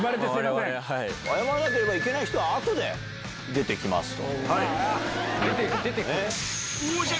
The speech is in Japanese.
謝らなければいけない人は、あとで出てきますと。